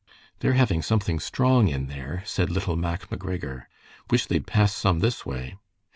"They're having something strong in there," said little Mac McGregor. "Wish they'd pass some this way."